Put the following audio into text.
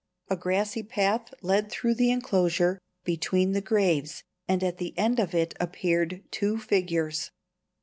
A grassy path led through the enclosure, between the graves, and at the end of it appeared two figures.